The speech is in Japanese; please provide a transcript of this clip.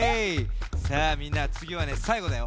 さあみんなつぎはねさいごだよ。